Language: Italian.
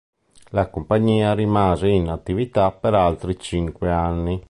La compagnia rimase in attività per altri cinque anni.